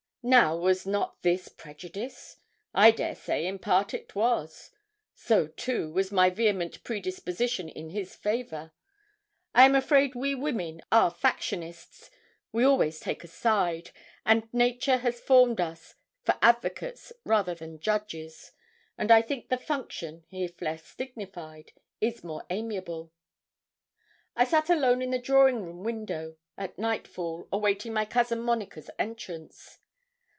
Now, was not this prejudice? I dare say in part it was. So, too, was my vehement predisposition in his favour. I am afraid we women are factionists; we always take a side, and nature has formed us for advocates rather than judges; and I think the function, if less dignified, is more amiable. I sat alone at the drawing room window, at nightfall, awaiting my cousin Monica's entrance.